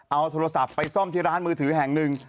เอาโทรศัพท์ไปซ่อมที่ร้านมือถือแห่งหนึ่ง